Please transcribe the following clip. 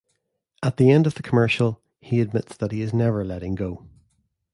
At the end of the commercial, he admits that he is never letting go.